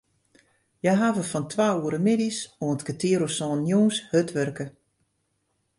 Hja hawwe fan twa oere middeis oant kertier oer sânen jûns hurd wurke.